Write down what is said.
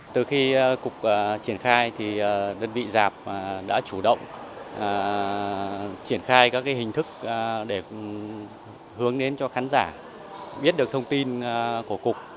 từ khi cục triển khai thì đơn vị giảp đã chủ động triển khai các hình thức để hướng đến cho khán giả biết được thông tin của cục